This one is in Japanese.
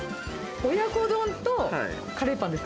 親子丼とカレーパンですか？